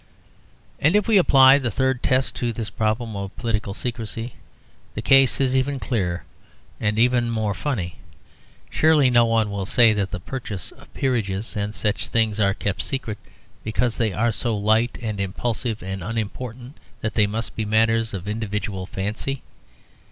And if we apply the third test to this problem of political secrecy, the case is even clearer and even more funny. Surely no one will say that the purchase of peerages and such things are kept secret because they are so light and impulsive and unimportant that they must be matters of individual fancy.